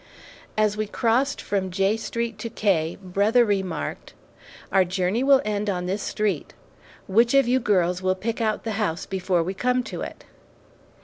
As we crossed from J Street to K, brother remarked, "Our journey will end on this street; which of you girls will pick out the house before we come to it?"